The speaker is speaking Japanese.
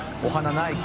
ないか。